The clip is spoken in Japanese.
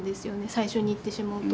最初にいってしまうと。